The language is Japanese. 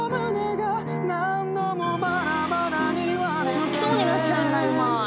泣きそうになっちゃうぐらいうまい。